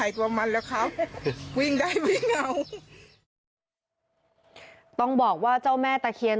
ต้องบอกว่าเจ้าแม่ตะเคียน